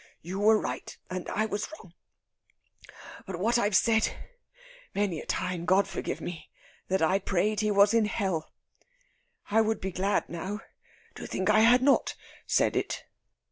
You were right, and I was wrong. But what I've said many a time, God forgive me! that I prayed he was in hell. I would be glad now to think I had not said it."